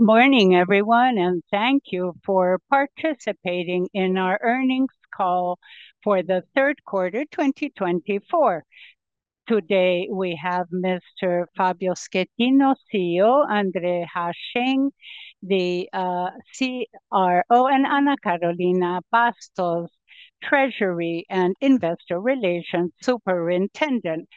Morning, everyone, thank you for participating in our earnings call for the third quarter 2024. Today, we have Mr. Fábio Schettini, CEO, André Saleme Hachem, the CFO, and Ana Carolina Bastos, Treasury and Investor Relations Superintendent.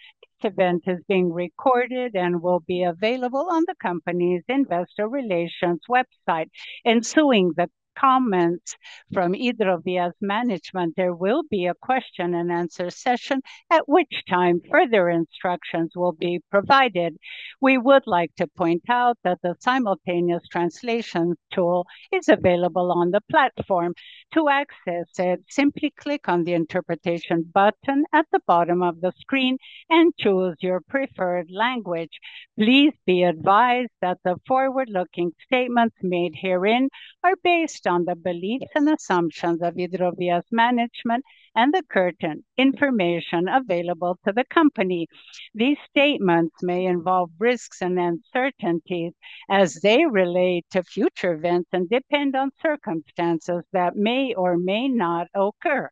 This event is being recorded and will be available on the company's investor relations website. Ensuing the comments from Hidrovias' management, there will be a question-and-answer session, at which time further instructions will be provided. We would like to point out that the simultaneous translation tool is available on the platform. To access it, simply click on the interpretation button at the bottom of the screen and choose your preferred language. Please be advised that the forward-looking statements made herein are based on the beliefs and assumptions of Hidrovias' management and the current information available to the company. These statements may involve risks and uncertainties as they relate to future events and depend on circumstances that may or may not occur.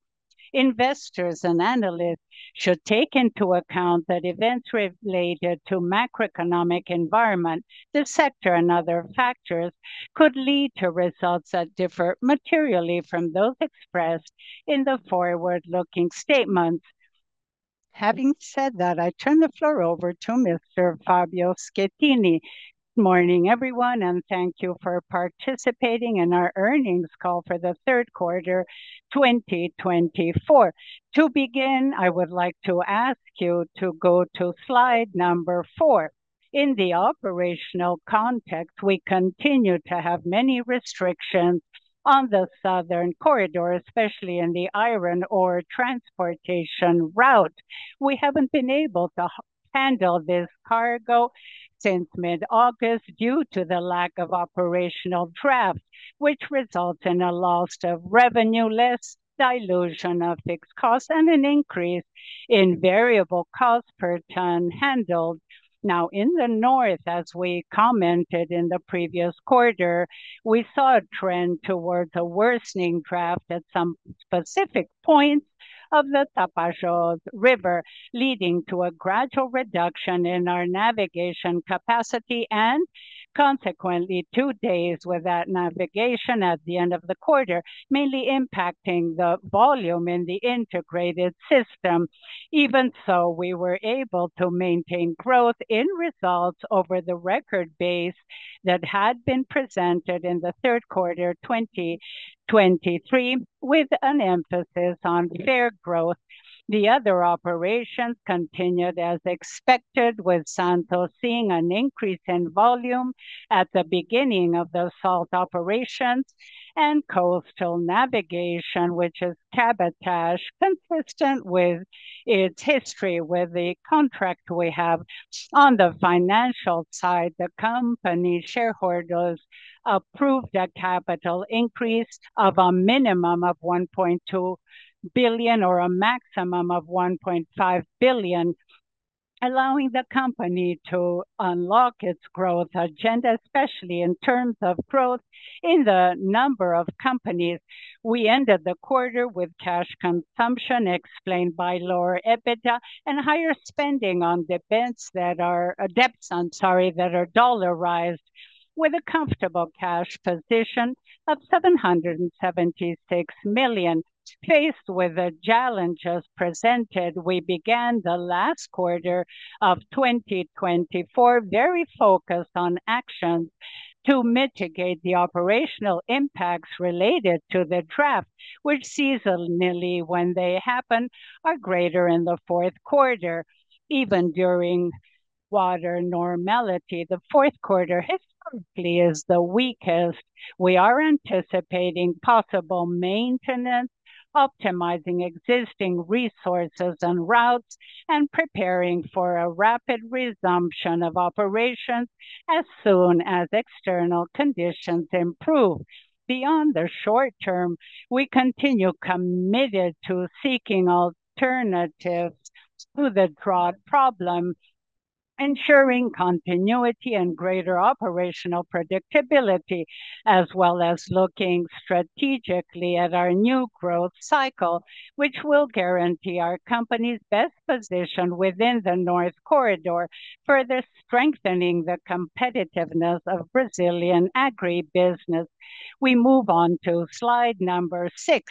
Investors and analysts should take into account that events related to macroeconomic environment, the sector and other factors could lead to results that differ materially from those expressed in the forward-looking statements. Having said that, I turn the floor over to Mr. Fábio Schettini. Morning, everyone, and thank you for participating in our earnings call for the third quarter 2024. To begin, I would like to ask you to go to slide number four. In the operational context, we continue to have many restrictions on the southern corridor, especially in the iron ore transportation route. We haven't been able to handle this cargo since mid-August due to the lack of operational draft, which results in a loss of revenue, less dilution of fixed costs, and an increase in variable cost per ton handled. In the north, as we commented in the previous quarter, we saw a trend towards a worsening draft at some specific points of the Tapajós River, leading to a gradual reduction in our navigation capacity and consequently two days without navigation at the end of the quarter, mainly impacting the volume in the integrated system. Even so, we were able to maintain growth in results over the record base that had been presented in the third quarter 2023, with an emphasis on fair growth. The other operations continued as expected, with Santos seeing an increase in volume at the beginning of the salt operations and coastal navigation, which is cabotage, consistent with its history with the contract we have. On the financial side, the company shareholders approved a capital increase of a minimum of 1.2 billion or a maximum of 1.5 billion, allowing the company to unlock its growth agenda, especially in terms of growth in the number of companies. We ended the quarter with cash consumption explained by lower EBITDA and higher spending on debts, I'm sorry, that are dollarized, with a comfortable cash position of 776 million. Faced with the challenges presented, we began the last quarter of 2024 very focused on actions to mitigate the operational impacts related to the draft, which seasonally, when they happen, are greater in the fourth quarter. Even during water normality, the fourth quarter historically is the weakest. We are anticipating possible maintenance, optimizing existing resources and routes, and preparing for a rapid resumption of operations as soon as external conditions improve. Beyond the short term, we continue committed to seeking alternatives to the drought problem, ensuring continuity and greater operational predictability, as well as looking strategically at our new growth cycle, which will guarantee our company's best position within the North Corridor, further strengthening the competitiveness of Brazilian agribusiness. We move on to slide number six.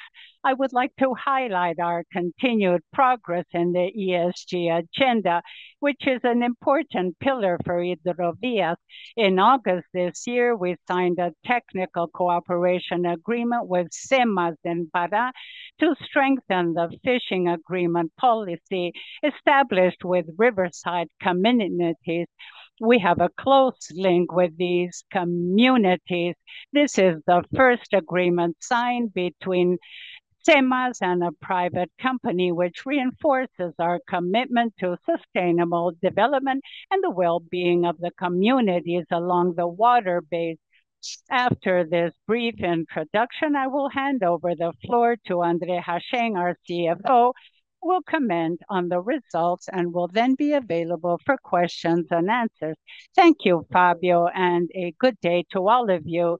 I would like to highlight our continued progress in the ESG agenda, which is an important pillar for Hidrovias do Brasil. In August this year, we signed a technical cooperation agreement with SEMAS in Pará to strengthen the fishing agreement policy established with riverside communities. We have a close link with these communities. This is the first agreement signed between SEMAS and a private company, which reinforces our commitment to sustainable development and the well-being of the communities along the water base. After this brief introduction, I will hand over the floor to André Hachem, our CFO, who will comment on the results and will then be available for questions and answers. Thank you, Fabio and a good day to all of you.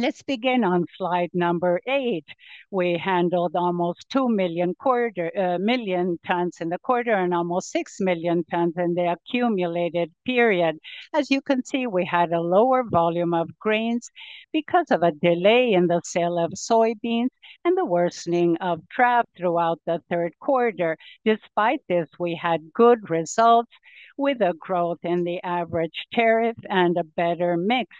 Let's begin on slide number eight. We handled almost 2 million tons in the quarter and almost 6 million tons in the accumulated period. As you can see, we had a lower volume of grains because of a delay in the sale of soybeans and the worsening of draft throughout the third quarter. Despite this, we had good results with a growth in the average tariff and a better mix.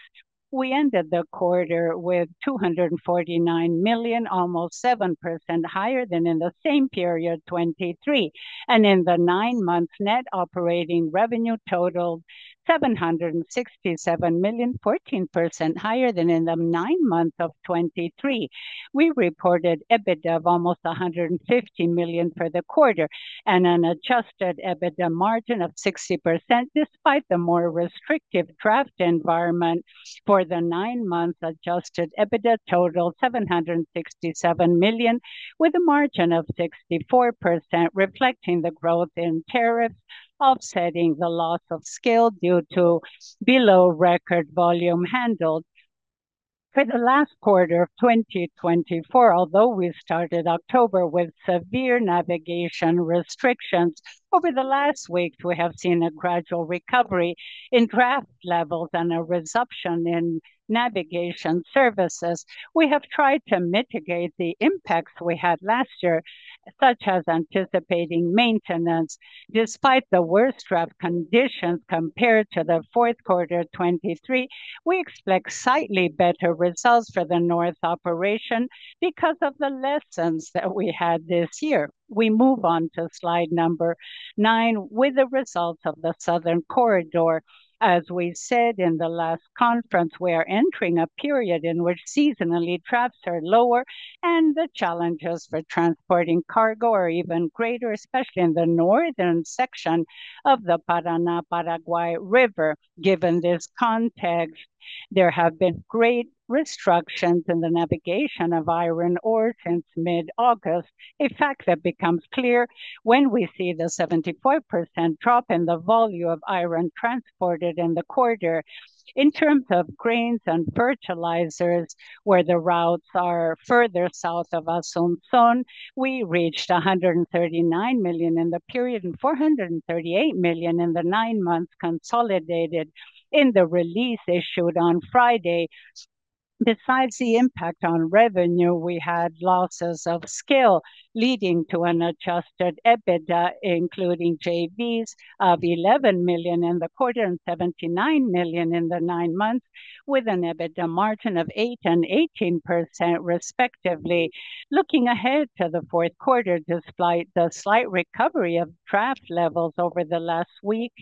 We ended the quarter with 249 million, almost 7% higher than in the same period 2023. In the nine months, net operating revenue totaled 767 million, 14% higher than in the nine months of 2023. We reported EBITDA of almost 150 million for the quarter and an Adjusted EBITDA margin of 60% despite the more restrictive draft environment. For the nine months, Adjusted EBITDA totaled 767 million with a margin of 64%, reflecting the growth in tariffs, offsetting the loss of scale due to below record volume handled. For the last quarter of 2024, although we started October with severe navigation restrictions, over the last weeks, we have seen a gradual recovery in draft levels and a resumption in navigation services. We have tried to mitigate the impacts we had last year, such as anticipating maintenance. Despite the worse draft conditions compared to the fourth quarter 2023, we expect slightly better results for the north operation because of the lessons that we had this year. We move on to slide number nine with the results of the southern corridor. As we said in the last conference, we are entering a period in which seasonally drafts are lower and the challenges for transporting cargo are even greater, especially in the northern section of the Paraná-Paraguay River. Given this context, there have been great restrictions in the navigation of iron ore since mid-August, a fact that becomes clear when we see the 74% drop in the volume of iron transported in the quarter. In terms of grains and fertilizers, where the routes are further south of Asunción, we reached 139 million in the period and 438 million in the nine months consolidated in the release issued on Friday. Besides the impact on revenue, we had losses of scale, leading to an Adjusted EBITDA, including JVs, of 11 million in the quarter and 79 million in the nine months, with an EBITDA margin of 8% and 18% respectively. Looking ahead to the fourth quarter, despite the slight recovery of draft levels over the last week,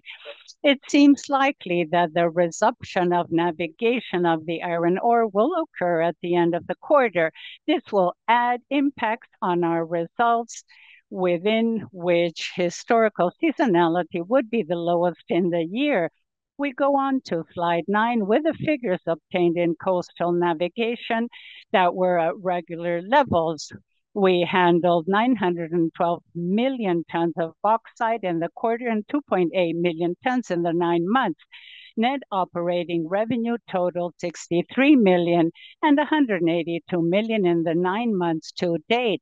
it seems likely that the resumption of navigation of the iron ore will occur at the end of the quarter. This will add impacts on our results within which historical seasonality would be the lowest in the year. We go on to slide nine with the figures obtained in coastal navigation that were at regular levels. We handled 912 million tons of bauxite in the quarter and 2.8 million tons in the nine months. Net operating revenue totaled 63 million and 182 million in the nine months to date,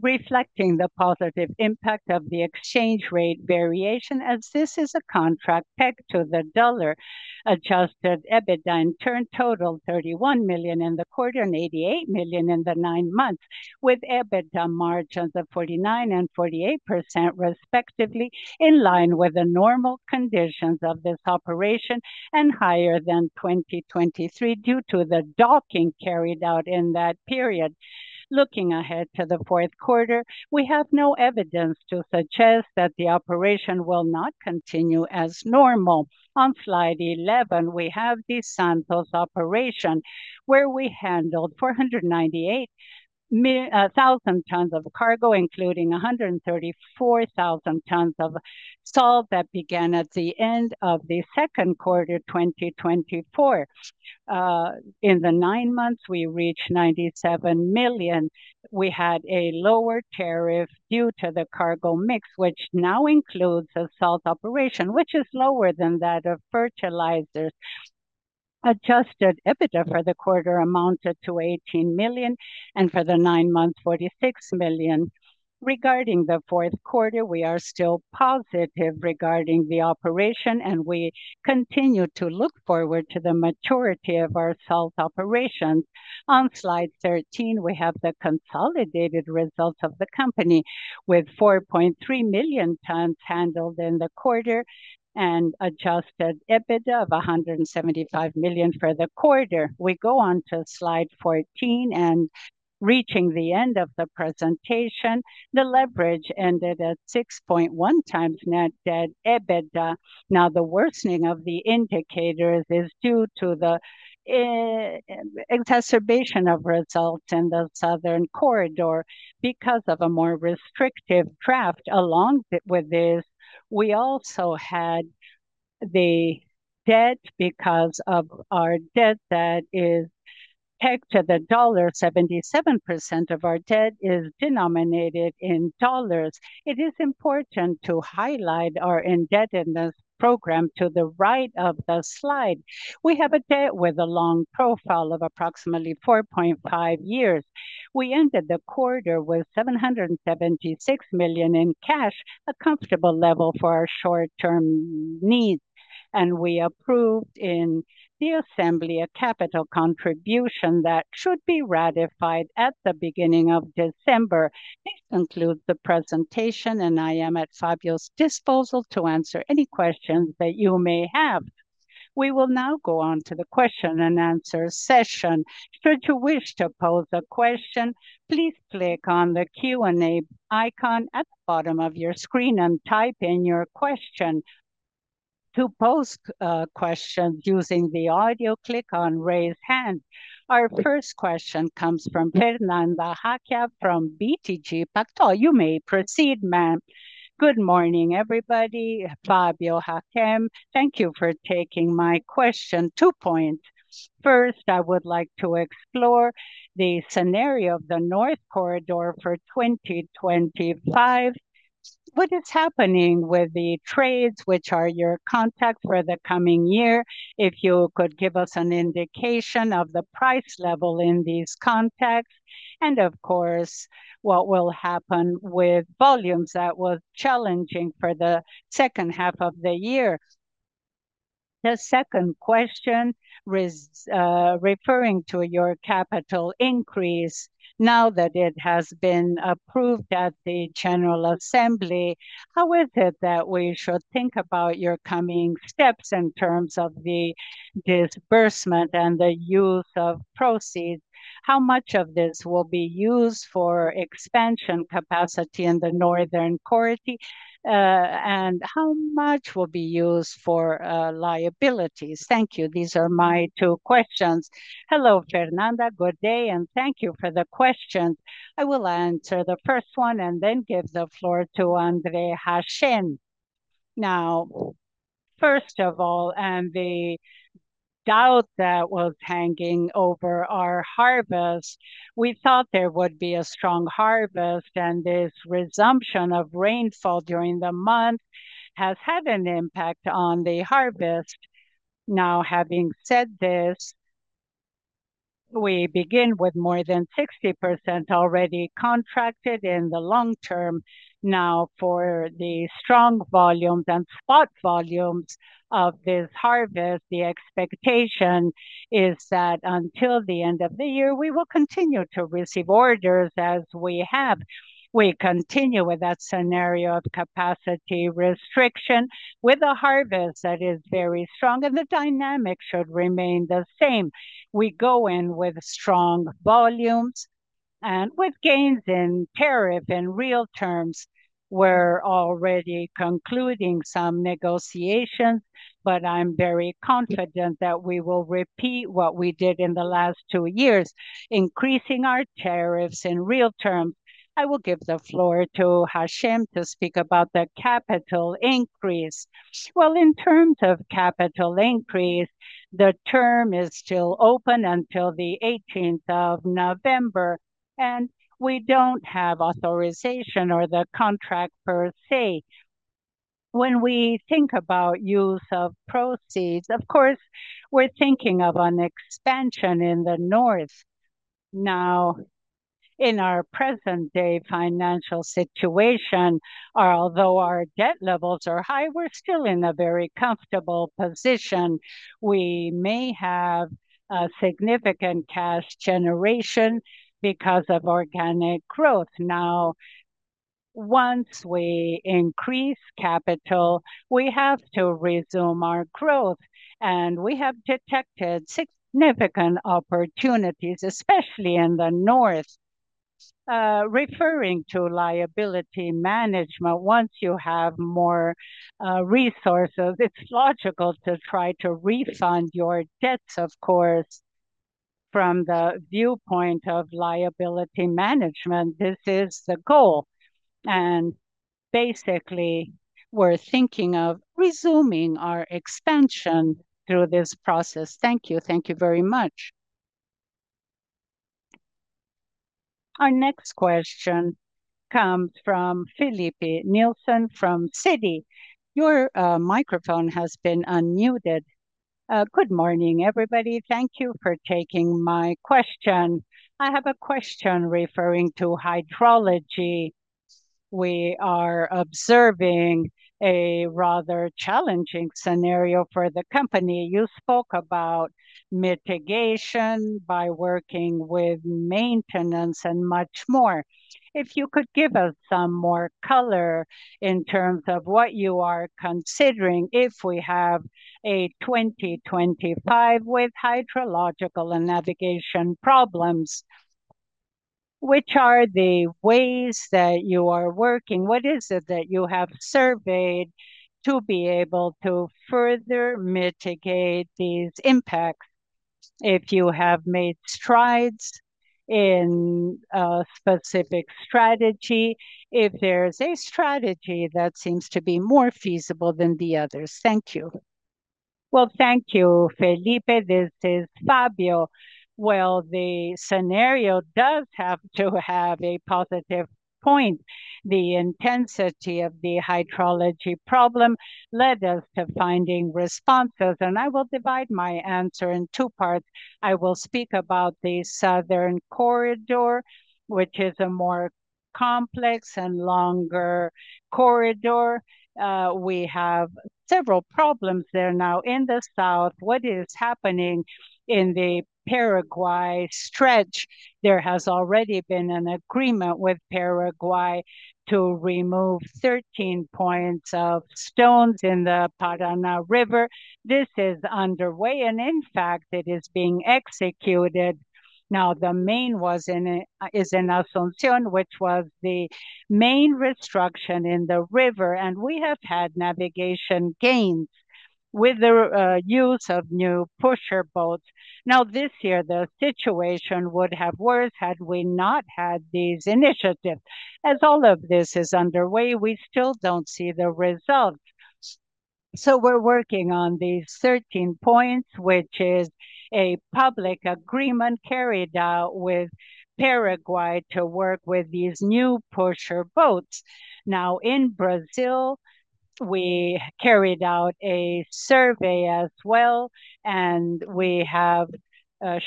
reflecting the positive impact of the exchange rate variation as this is a contract pegged to the U.S. dollar. Adjusted EBITDA in turn totaled 31 million in the quarter and 88 million in the nine months, with EBITDA margins of 49% and 48% respectively, in line with the normal conditions of this operation and higher than 2023 due to the docking carried out in that period. Looking ahead to the fourth quarter, we have no evidence to suggest that the operation will not continue as normal. On slide 11, we have the Santos operation, where we handled 498,000 tons of cargo, including 134,000 tons of salt that began at the end of the second quarter 2024. In the nine months, we reached 97 million. We had a lower tariff due to the cargo mix, which now includes a salt operation, which is lower than that of fertilizers. Adjusted EBITDA for the quarter amounted to 18 million, and for the nine months, 46 million. Regarding the fourth quarter, we are still positive regarding the operation, and we continue to look forward to the maturity of our salt operations. On slide 13, we have the consolidated results of the company, with 4.3 million tons handled in the quarter and Adjusted EBITDA of 175 million for the quarter. We go on to slide 14 and reaching the end of the presentation. The leverage ended at 6.1x net debt/EBITDA. The worsening of the indicators is due to the exacerbation of results in the southern corridor because of a more restrictive draft. We also had the debt because of our debt that is pegged to the dollar, 77% of our debt is denominated in dollars. It is important to highlight our indebtedness program to the right of the slide. We have a debt with a long profile of approximately 4.5 years. We ended the quarter with 776 million in cash, a comfortable level for our short-term needs, and we approved in the assembly a capital contribution that should be ratified at the beginning of December. This concludes the presentation, and I am at Fábio Schettini's disposal to answer any questions that you may have. We will now go on to the question-and-answer session. Should you wish to pose a question, please click on the Q&A icon at the bottom of your screen and type in your question. To pose a question using the audio, click on Raise Hand. Our first question comes from Fernanda Recchia from BTG Pactual. You may proceed, ma'am. Good morning, everybody. Fábio, Hachem, Hkia. Thank you for taking my question. Two points. First, I would like to explore the scenario of the North Corridor for 2025. What is happening with the freights, which are your contracts for the coming year? If you could give us an indication of the price level in these contracts, and of course, what will happen with volumes that were challenging for the second half of the year. The second question referring to your capital increase. That it has been approved at the general assembly, how is it that we should think about your coming steps in terms of the disbursement and the use of proceeds? How much of this will be used for expansion capacity in the Northern Corridor, and how much will be used for liabilities? Thank you. These are my two questions. Hello, Fernanda. Good day, and thank you for the questions. I will answer the first one and then give the floor to Hachem. First of all, and the doubt that was hanging over our harvest, we thought there would be a strong harvest, and this resumption of rainfall during the month has had an impact on the harvest. Having said this, we begin with more than 60% already contracted in the long term. Now, for the strong volumes and spot volumes of this harvest, the expectation is that until the end of the year, we will continue to receive orders as we have. We continue with that scenario of capacity restriction with a harvest that is very strong, and the dynamic should remain the same. We go in with strong volumes and with gains in tariff. In real terms, we're already concluding some negotiations, but I'm very confident that we will repeat what we did in the last two years, increasing our tariffs in real terms. I will give the floor to Hachem to speak about the capital increase. Well, in terms of capital increase, the term is still open until the 18th of November, and we don't have authorization or the contract per se. When we think about use of proceeds, of course, we're thinking of an expansion in the north. In our present-day financial situation, although our debt levels are high, we're still in a very comfortable position. We may have a significant cash generation because of organic growth. Once we increase capital, we have to resume our growth, and we have detected significant opportunities, especially in the North. Referring to liability management, once you have more resources, it's logical to try to refund your debts, of course. From the viewpoint of liability management, this is the goal. Basically, we're thinking of resuming our expansion through this process. Thank you. Thank you very much. Our next question comes from Filipe Nielsen from Citi. Your microphone has been unmuted. Good morning, everybody. Thank you for taking my question. I have a question referring to hydrology. We are observing a rather challenging scenario for the company. You spoke about mitigation by working with maintenance and much more. If you could give us some more color in terms of what you are considering if we have a 2025 with hydrological and navigation problems, which are the ways that you are working? What is it that you have surveyed to be able to further mitigate these impacts? If you have made strides in a specific strategy, if there's a strategy that seems to be more feasible than the others. Thank you. Well, thank you, Filipe. This is Fábio. Well, the scenario does have to have a positive point. The intensity of the hydrology problem led us to finding responses. I will divide my answer in two parts. I will speak about the southern corridor, which is a more complex and longer corridor. We have several problems there now. In the south, what is happening in the Paraguay stretch, there has already been an agreement with Paraguay to remove 13 points of stones in the Paraná River. This is underway and in fact it is being executed. The main is in Asunción, which was the main restriction in the river, and we have had navigation gains with the use of new pusher boats. This year, the situation would have worse had we not had these initiatives. All of this is underway, we still don't see the results. We're working on these 13 points, which is a public agreement carried out with Paraguay to work with these new pusher boats. Now in Brazil, we carried out a survey as well, and we have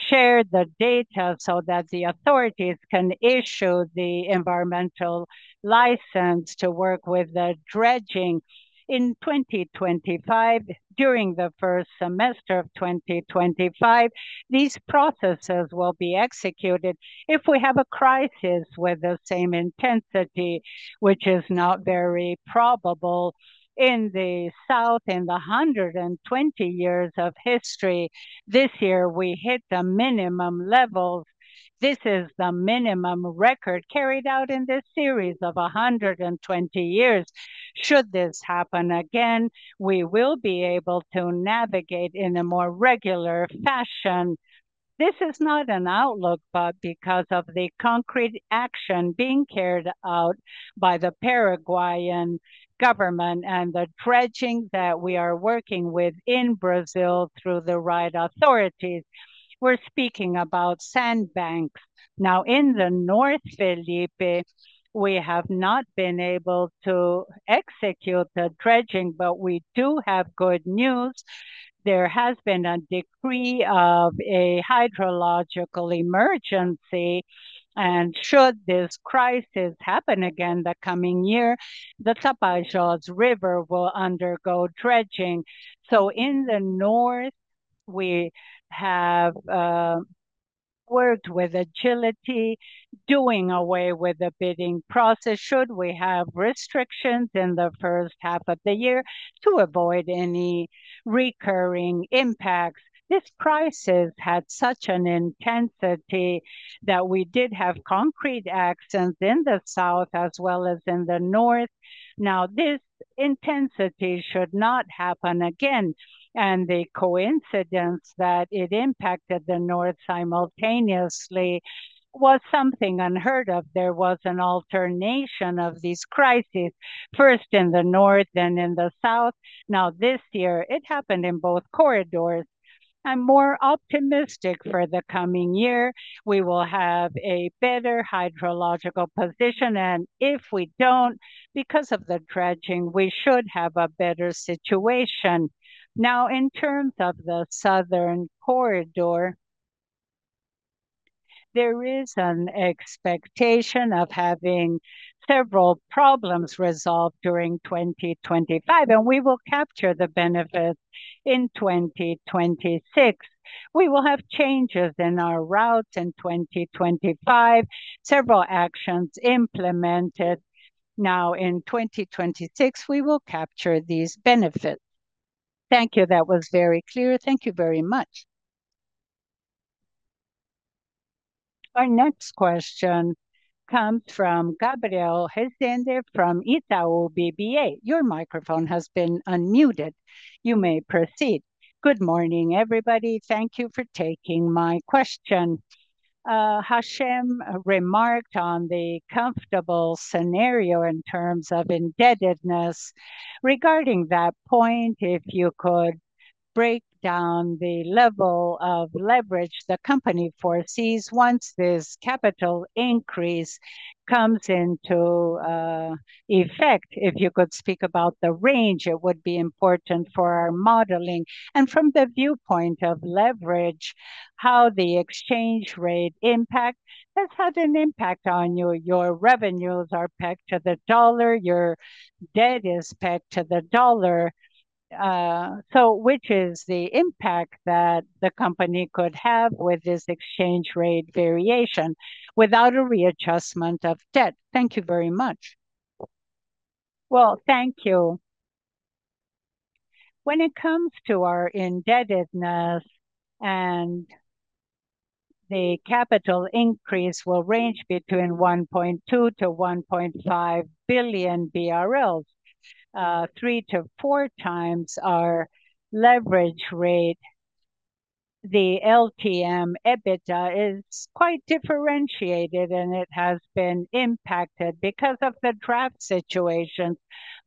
shared the data so that the authorities can issue the environmental license to work with the dredging in 2025. During the first semester of 2025, these processes will be executed. If we have a crisis with the same intensity, which is not very probable, in the south, in the 120 years of history, this year we hit the minimum levels. This is the minimum record carried out in this series of 120 years. Should this happen again, we will be able to navigate in a more regular fashion. This is not an outlook, but because of the concrete action being carried out by the Paraguayan government and the dredging that we are working with in Brazil through the right authorities. We're speaking about sand banks. In the north, Philippe, we have not been able to execute the dredging, but we do have good news. There has been a decree of a hydrological emergency, and should this crisis happen again the coming year, the Tapajós River will undergo dredging. In the north we have worked with agility, doing away with the bidding process should we have restrictions in the first half of the year to avoid any recurring impacts. This crisis had such an intensity that we did have concrete actions in the south as well as in the north. This intensity should not happen again, and the coincidence that it impacted the north simultaneously was something unheard of. There was an alternation of these crises, first in the north, then in the south. This year it happened in both corridors. I'm more optimistic for the coming year. We will have a better hydrological position and if we don't because of the dredging, we should have better situation. In terms of the southern corridor, there is an expectation of having several problems resolved during 2025, and we will capture the benefit in 2026. We will have changes in our routes in 2025, several actions implemented. In 2026 we will capture these benefits. Thank you. That was very clear. Thank you very much. Our next question comes from Gabriel Rezende from Itaú BBA. Your microphone has been unmuted. You may proceed. Good morning, everybody. Thank you for taking my question. Hachem remarked on the comfortable scenario in terms of indebtedness. Regarding that point, if you could break down the level of leverage the company foresees once this capital increase comes into effect If you could speak about the range, it would be important for our modeling. From the viewpoint of leverage, how the exchange rate impact that's had an impact on you, your revenues are pegged to the USD, your debt is pegged to the USD. Which is the impact that the company could have with this exchange rate variation without a readjustment of debt? Thank you very much. Well, thank you. When it comes to our indebtedness and the capital increase will range between 1.2 billion-1.5 billion BRL, three to four times our leverage rate. The LTM EBITDA is quite differentiated, and it has been impacted because of the draft situation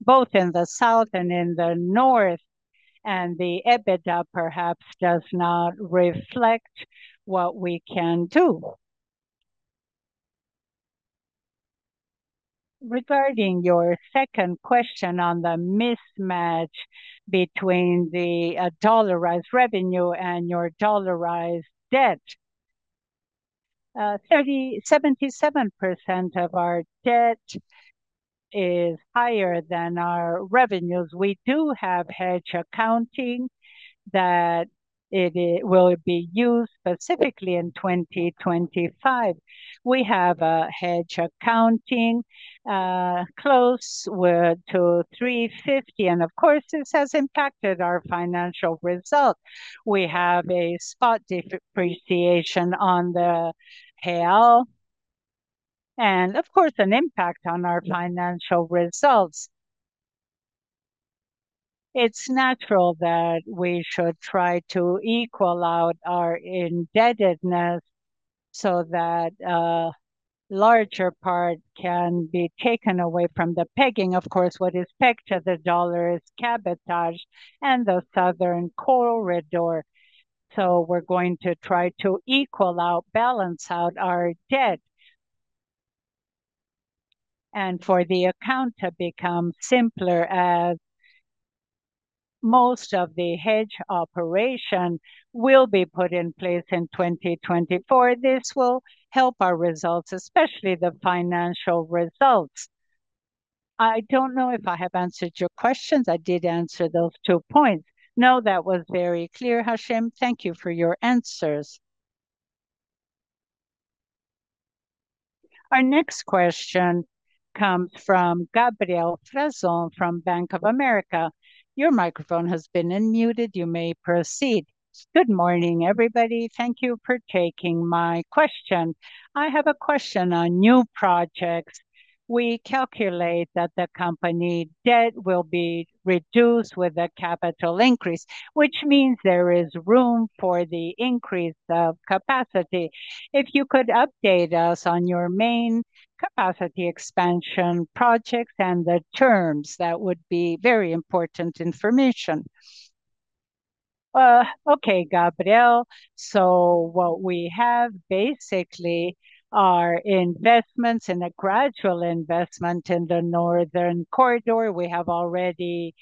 both in the south and in the north. The EBITDA perhaps does not reflect what we can do. Regarding your second question on the mismatch between the dollarized revenue and your dollarized debt, 77% of our debt is higher than our revenues. We do have hedge accounting that will be used specifically in 2025. We have a hedge accounting close to 350, and this has impacted our financial results. We have a spot depreciation on the real, an impact on our financial results. It's natural that we should try to equal out our indebtedness so that a larger part can be taken away from the pegging. What is pegged to the U.S. dollar is cabotage and the southern corridor. We're going to try to equal out, balance out our debt. For the account to become simpler, as most of the hedge operation will be put in place in 2024, this will help our results, especially the financial results. I don't know if I have answered your questions. I did answer those two points. That was very clear, Hachem. Thank you for your answers. Our next question comes from Gabriel Frazão from Bank of America. Your microphone has been unmuted you may proceed. Good morning, everybody. Thank you for taking my question. I have a question on new projects. We calculate that the company debt will be reduced with a capital increase, which means there is room for the increase of capacity. If you could update us on your main capacity expansion projects and the terms, that would be very important information. Okay, Gabriel. What we have basically are investments, and a gradual investment in the northern corridor. We have already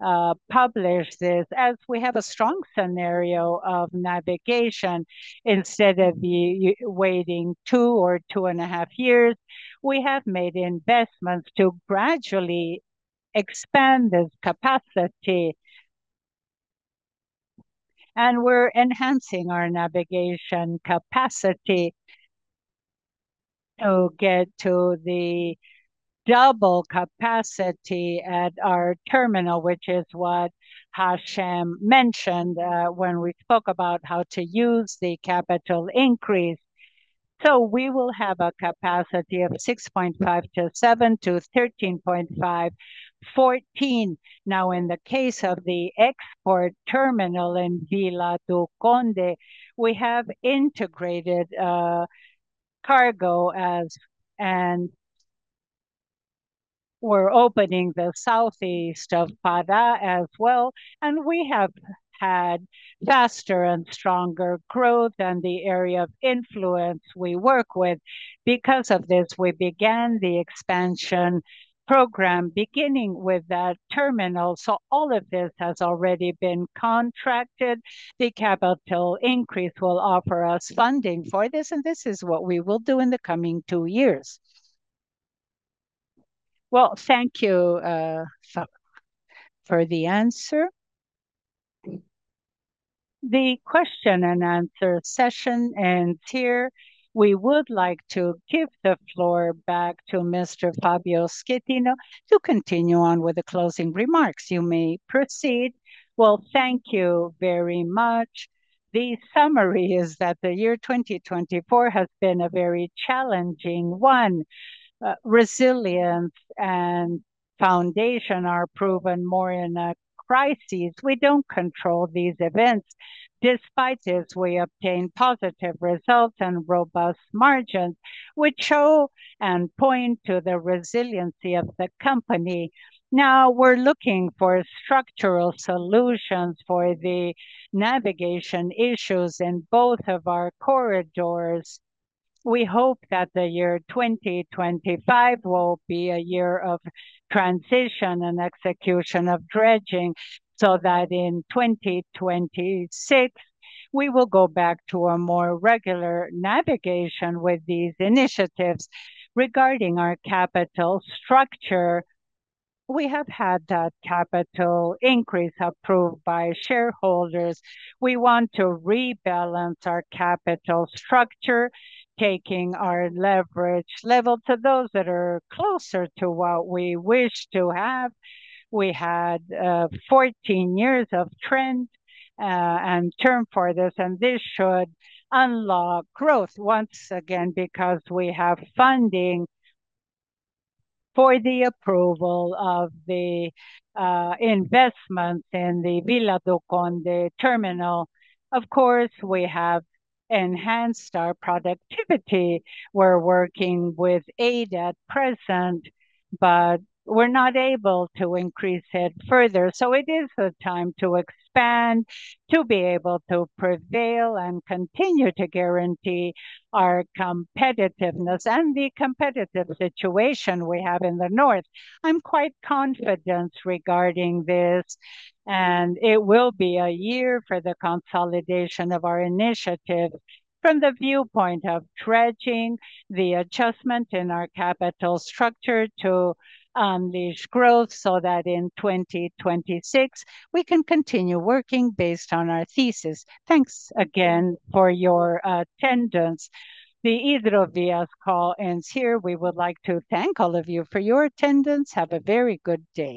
published this. As we have a strong scenario of navigation, instead of waiting two or two and a half years, we have made investments to gradually expand this capacity. We're enhancing our navigation capacity to get to the double capacity at our terminal, which is what Hachem mentioned when we spoke about how to use the capital increase. We will have a capacity of 6.5 to 7 to 13.5, 14. In the case of the export terminal in Vila do Conde, we have integrated cargo. We're opening the southeast of Pará as well, and we have had faster and stronger growth in the area of influence we work with. Because of this, we began the expansion program beginning with that terminal. All of this has already been contracted. The capital increase will offer us funding for this, and this is what we will do in the coming two years. Thank you for the answer. The question and answer session ends here. We would like to give the floor back to Mr. Fábio Schettini to continue on with the closing remarks. You may proceed. Thank you very much. The summary is that the year 2024 has been a very challenging one. Resilience and foundation are proven more in a crisis. We don't control these events. Despite this, we obtain positive results and robust margins which show and point to the resiliency of the company. We're looking for structural solutions for the navigation issues in both of our corridors. We hope that the year 2025 will be a year of transition and execution of dredging, so that in 2026, we will go back to a more regular navigation with these initiatives. Regarding our capital structure, we have had that capital increase approved by shareholders. We want to rebalance our capital structure, taking our leverage level to those that are closer to what we wish to have. We had 14 years of trend and term for this, and this should unlock growth once again, because we have funding for the approval of the investments in the Vila do Conde terminal. Of course, we have enhanced our productivity. We're working with aid at present, but we're not able to increase it further. It is the time to expand, to be able to prevail and continue to guarantee our competitiveness and the competitive situation we have in the north. I'm quite confident regarding this, and it will be a year for the consolidation of our initiatives from the viewpoint of dredging, the adjustment in our capital structure to this growth, so that in 2026, we can continue working based on our thesis. Thanks again for your attendance. The Hidrovias call ends here. We would like to thank all of you for your attendance. Have a very good day.